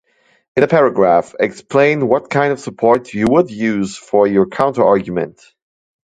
In a paragraph, explain what kind of support you would use for your counterargument.